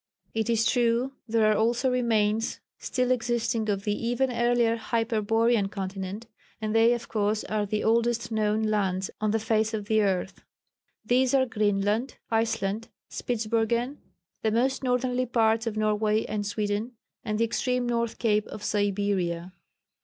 It is true there are also remains still existing of the even earlier Hyperborean continent, and they of course are the oldest known lands on the face of the earth. These are Greenland, Iceland, Spitzbergen, the most northerly parts of Norway and Sweden, and the extreme north cape of Siberia.